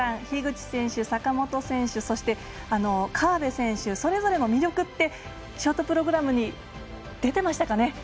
樋口選手、坂本選手そして、河辺選手それぞれの魅力ってショートプログラムに出ていましたかね？